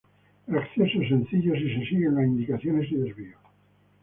El acceso es sencillo si se siguen las indicaciones y desvíos.